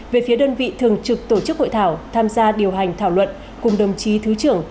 về phía đơn vị thường trực tổ chức hội thảo tham gia điều hành thảo luận cùng đồng chí thứ trưởng